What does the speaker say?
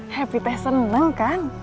happy teh seneng kang